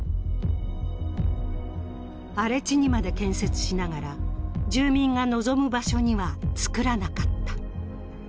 荒れ地にまで建設しながら、住民が望む場所には造らなかった。